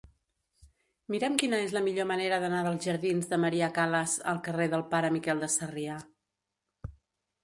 Mira'm quina és la millor manera d'anar dels jardins de Maria Callas al carrer del Pare Miquel de Sarrià.